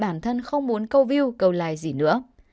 bản thân không muốn câu view câu like gì nữa